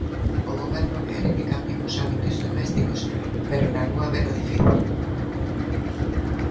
O Goberno quere que cambiemos hábitos domésticos, pero na rúa veno difícil...